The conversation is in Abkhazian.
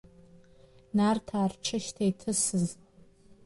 Нарҭаа рҽышьҭа иҭысыз…